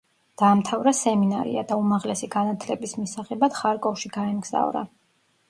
დაამთავრა სემინარია და უმაღლესი განათლების მისაღებად ხარკოვში გაემგზავრა.